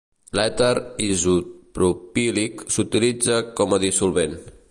L'èter isopropílic s'utilitza com a dissolvent.